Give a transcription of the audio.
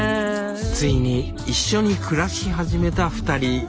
ついに一緒に暮らし始めた２人。